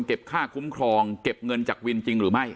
ค่าคุ้มครองเก็บเงินจากวินจริงหรือไม่